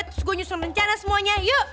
terus gue nyusun rencana semuanya yuk